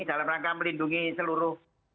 dalam rangka melindungi seluruh